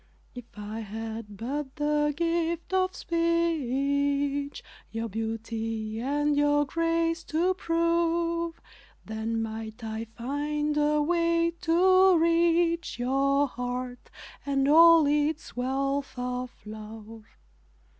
If I had but the gift of speech, Your beauty and your grace to prove, Then might I find a way to reach Your heart, and all its wealth of love.